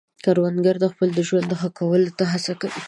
کروندګر د خپل ژوند ښه کولو ته هڅه کوي